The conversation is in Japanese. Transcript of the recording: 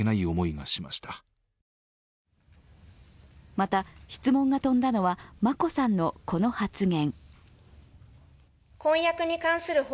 また、質問が飛んだのは眞子さんのこの発言。